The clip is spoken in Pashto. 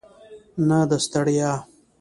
نه د ستړیا.